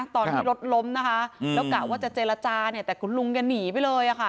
ตอนที่รถล้มนะคะแล้วกะว่าจะเจรจาเนี่ยแต่คุณลุงแกหนีไปเลยค่ะ